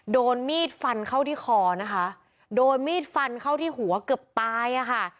โดนมีดฟันเข้าที่คอนะคะโดนมีดฟันเข้าที่หัวเกือบตายอ่ะค่ะ